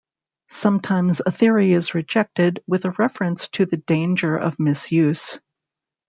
Sometimes a theory is rejected with a reference to the danger of misuse.